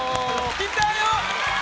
来たよ！